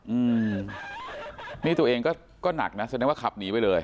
อืมนี่ตัวเองก็ก็หนักนะแสดงว่าขับหนีไปเลย